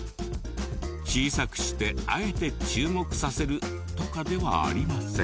小さくしてあえて注目させるとかではありません。